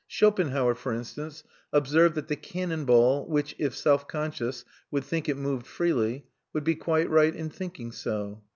Schopenhauer, for instance, observed that the cannon ball which, if self conscious, would think it moved freely, would be quite right in thinking so.